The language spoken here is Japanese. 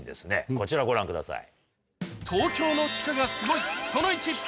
こちらをご覧ください。